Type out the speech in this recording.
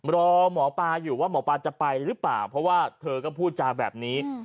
รอหมอปลาอยู่ว่าหมอปลาจะไปหรือเปล่าเพราะว่าเธอก็พูดจาแบบนี้